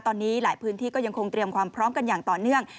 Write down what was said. ตอนนี้หลายพื้นที่ก็ยังคงเตรียมความพร้อมกันอย่างต่อเนื่อง